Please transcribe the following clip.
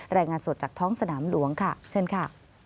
รายงานสดจากท้องสนามหลวงค่ะเชิญค่ะ